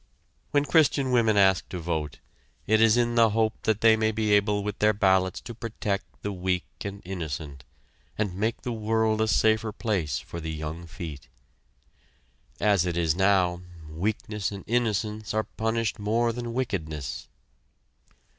When Christian women ask to vote, it is in the hope that they may be able with their ballots to protect the weak and innocent, and make the world a safer place for the young feet. As it is now, weakness and innocence are punished more than wickedness.